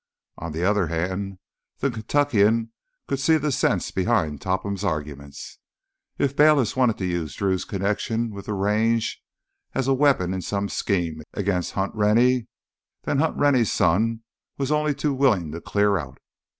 On the other hand, the Kentuckian could see the sense behind Topham's arguments. If Bayliss wanted to use Drew's connection with the Range as a weapon in some scheme against Hunt Rennie, then Hunt Rennie's son was only too willing to clear out.